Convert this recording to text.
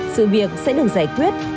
sự việc sẽ được giải quyết